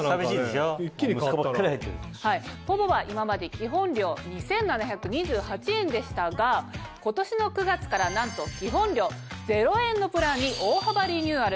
ｐｏｖｏは今まで基本料２７２８円でしたが今年の９月からなんと基本料０円のプランに大幅リニューアル！